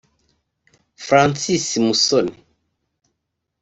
Francis Musoni